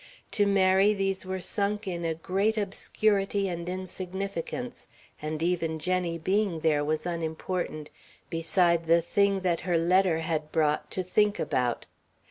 To Mary these were sunk in a great obscurity and insignificance, and even Jenny being there was unimportant beside the thing that her letter had brought to think about.